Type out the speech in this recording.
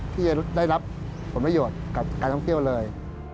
ที่จะได้รับผลประโยชน์กับการท่องเที่ยวเลย